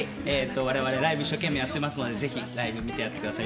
我々一生懸命やってますので、ぜひライブ見に来てください。